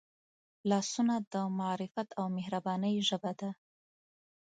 لاسونه د معرفت او مهربانۍ ژبه ده